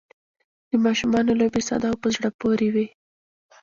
د ماشومانو لوبې ساده او په زړه پورې وي.